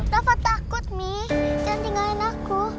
dapet takut mi jangan tinggalin aku